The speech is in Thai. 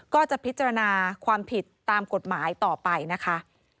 ก็จะพิจารณาความผิดตามกฎหมายต่อไปนะคะ